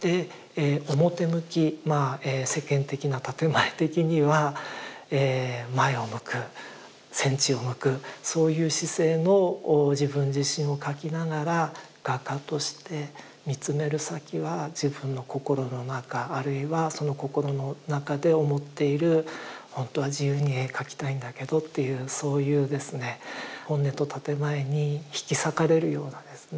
で表向き世間的な建て前的には前を向く戦地を向くそういう姿勢の自分自身を描きながら画家として見つめる先は自分の心の中あるいはその心の中で思っているほんとは自由に絵描きたいんだけどっていうそういうですね本音と建て前に引き裂かれるようなですね